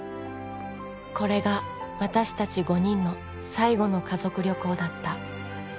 これが私たち５人の最後の家族旅行だった。